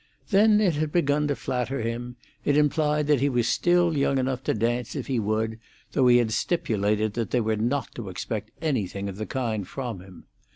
Then it had begun to flatter him; it implied that he was still young enough to dance if he would, though he had stipulated that they were not to expect anything of the kind from him.